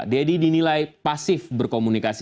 deddy dinilai pasif berkomunikasi